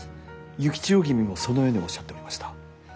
幸千代君もそのようにおっしゃっておりました。